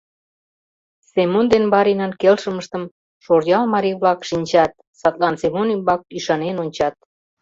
Семон ден баринын келшымыштым Шоръял марий-влак шинчат, садлан Семон ӱмбак ӱшанен ончат.